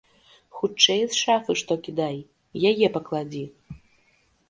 Хутчэй з шафы што кідай, яе пакладзі.